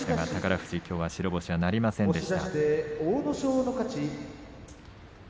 富士きょうは白星なりませんでした。